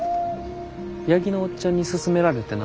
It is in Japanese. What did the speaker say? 八木のおっちゃんに勧められてな。